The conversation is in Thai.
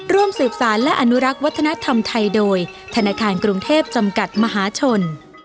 ร่วมสืบสารและอนุรักษ์วัฒนธรรมไทยโดยธนาคารกรุงเทพจำกัดมหาชน